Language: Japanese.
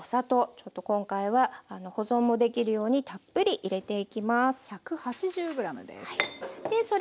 ちょっと今回は保存もできるようにたっぷり入れていきます。